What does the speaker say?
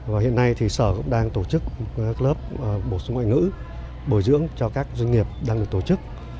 và hiện nay thì sở cũng đang tổ chức các lớp bổ sung ngoại ngữ bồi dưỡng cho các doanh nghiệp đang được tổ chức